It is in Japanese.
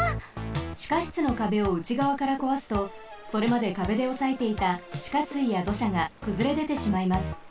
ちかしつのかべをうちがわからこわすとそれまでかべでおさえていたちかすいやどしゃがくずれでてしまいます。